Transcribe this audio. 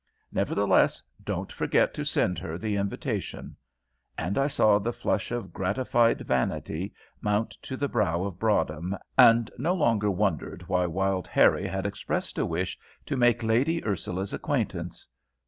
Nevertheless, don't forget to send her the invitation;" and I saw the flush of gratified vanity mount to the brow of Broadhem, and no longer wondered why Wild Harrie had expressed a wish to make Lady Ursula's acquaintance.